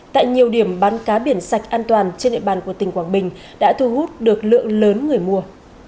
tại nhiều điểm bán cá biển sạch an toàn trên địa bàn của tỉnh quảng bình đã thu hút được lượng lớn người mua